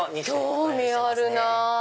興味あるなぁ。